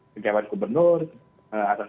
kejawatan gubernur atas